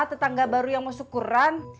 tetangga baru yang mau syukuran